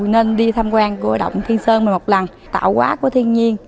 nên đi tham quan của động thiên sơn một lần tạo hóa của thiên nhiên